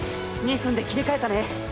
２分で切り替えたね。